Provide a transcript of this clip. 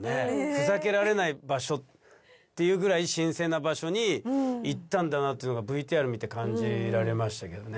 ふざけられない場所っていうぐらい神聖な場所に行ったんだなっていうのがＶＴＲ見て感じられましたけどね。